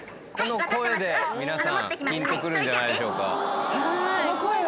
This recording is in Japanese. この声で皆さんぴんとくるんじゃないでしょうか。